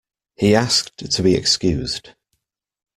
He asked to be excused